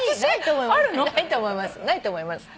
ないと思います。